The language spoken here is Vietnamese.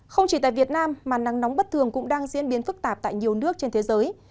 không chỉ tại việt nam mà nắng nóng bất thường cũng đang diễn biến phức tạp tại nhiều nước trên thế giới